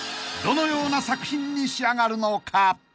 ［どのような作品に仕上がるのか］